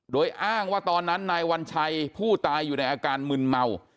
โดยอ้างว่าตอนนั้นนายวัญชัยผู้ตายอยู่ในอาการมึนเมา